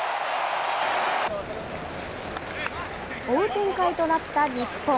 追う展開となった日本。